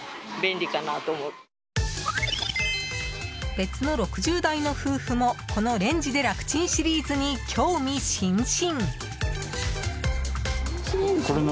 別の６０代の夫婦もこのレンジで楽チンシリーズに興味津々。